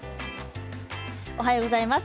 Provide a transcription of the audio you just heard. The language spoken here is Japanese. おはようございます。